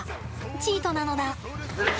チートなのだ。